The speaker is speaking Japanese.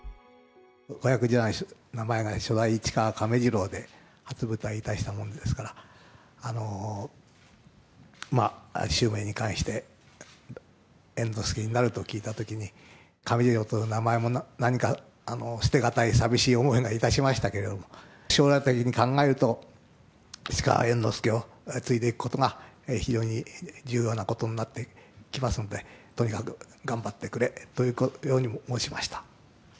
子役時代の名前が初代市川亀治郎で初舞台に出したもんですから、襲名に関して、猿之助になると聞いたときに、亀治郎という名前も何か捨てがたい、寂しい思いがいたしましたけれども、将来的に考えると、市川猿之助を継いでいくことが、非常に重要なことになってきますので、とにかく頑張ってくれというようにも申しました。